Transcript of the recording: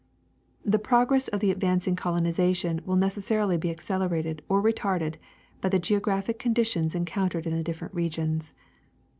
The progress of the advancing colonization will neces sarily be accelerated or retarded by the geographic condttions encountered in the different regions.